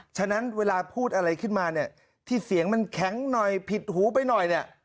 ฉะนั้นเวลาพูดอะไรขึ้นมาเนี่ยที่เสียงมันแข็งหน่อยผิดหูไปหน่อยเนี่ย